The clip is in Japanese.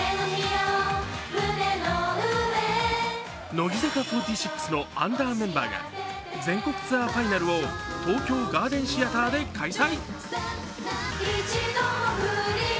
乃木坂４６のアンダーメンバーが全国ツアーファイナルを東京ガーデンシアターで開催。